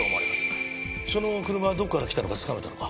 その車はどこから来たのかつかめたのか？